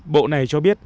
bộ này cho biết